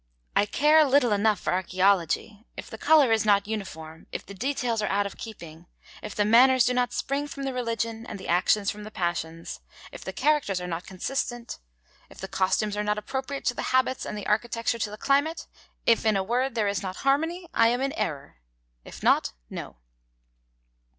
'I care little enough for archæology! If the colour is not uniform, if the details are out of keeping, if the manners do not spring from the religion and the actions from the passions, if the characters are not consistent, if the costumes are not appropriate to the habits and the architecture to the climate, if, in a word, there is not harmony, I am in error. If not, no.'